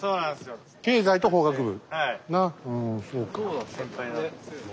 経済と法学部。